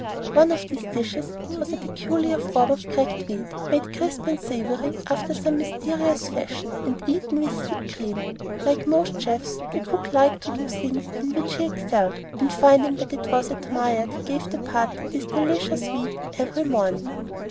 One of these dishes was a peculiar form of cracked wheat, made crisp and savory after some mysterious fashion, and eaten with thick cream. Like most chefs, the cook liked to do the things in which he excelled, and finding that it was admired, he gave the party this delicious wheat every morning.